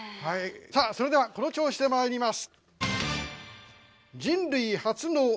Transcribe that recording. それではこの調子でまいります。